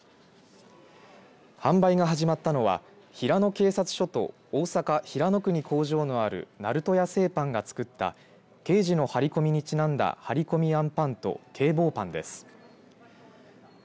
販売が始まったのは平野警察署と大阪平野区に工場のある鳴門屋製パンが作った刑事の張り込みにちなんだ張り込みあんぱんと警棒パンです。